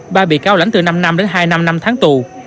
ba bị cáo lãnh từ năm năm đến hai năm năm tháng tù